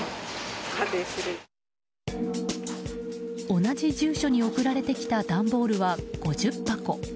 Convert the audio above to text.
同じ住所に送られてきた段ボールは５０箱。